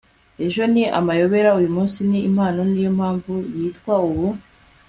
ejo ni amayobera uyu munsi ni impano niyo mpamvu yitwa ubu